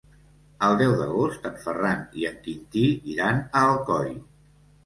El deu d'agost en Ferran i en Quintí iran a Alcoi.